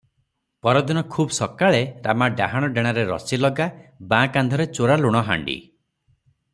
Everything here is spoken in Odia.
ପରଦିନ ଖୁବ୍ ସକାଳେ ରାମା ଡାହାଣ ଡେଣାରେ ରସିଲଗା, ବାଁ କାନ୍ଧରେ ଚୋରା ଲୁଣହାଣ୍ଡି ।